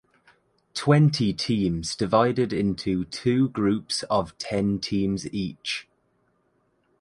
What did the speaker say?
Twenty teams divided into two groups of ten teams each.